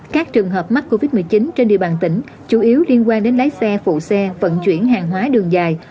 các trường hợp mắc covid một mươi chín trên địa bàn tỉnh chủ yếu liên quan đến lái xe phụ xe vận chuyển hàng hóa đường dài